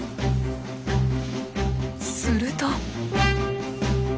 すると。